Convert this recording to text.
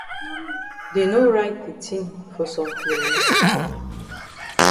Dey no write de tin for some place?